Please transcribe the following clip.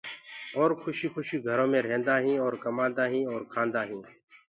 اور کُشيٚ کُشيٚ گھرو مي رهيندآ هينٚ اور ڪمآندا هينٚ اور کآندآ هينٚ۔